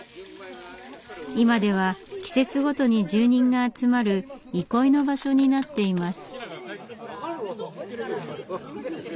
今では季節ごとに住人が集まる憩いの場所になっています。